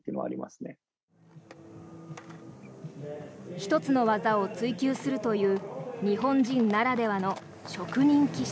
１つの技を追求するという日本人ならではの職人気質。